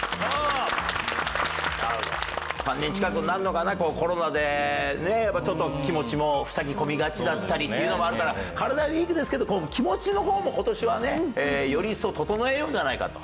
３年近くになるのかな、コロナでちょっと気持ちもふさぎ込みがちだったりっていうのもあるから、カラダＷＥＥＫですけど、気持ちのほうもことしはね、より一層整えようじゃないかと。